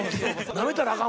「なめたらあかん」